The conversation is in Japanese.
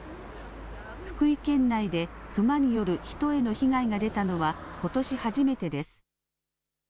福井県内でクマによる人への被害が出たのはことし初めてです。